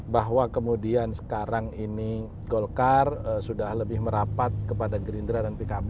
bahwa kemudian sekarang ini golkar sudah lebih merapat kepada gerindra dan pkb